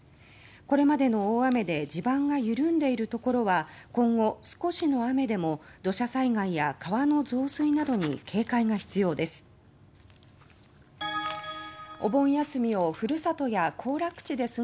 これまでの大雨で地盤が緩んでいるところは今後、少しの雨でも土砂災害や川の増水などに警戒が必要です。